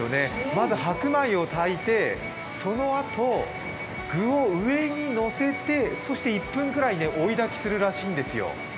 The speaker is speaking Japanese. まず白米を炊いて、そのあと具を上にのせてそして１分ぐらい追いだきするらしいんですよ。